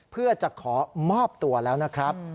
เพื่อจะขอมอบตัวแล้วนะครับ